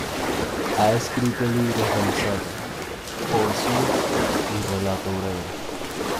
Ha escrito libros de ensayo, poesía y relato breve.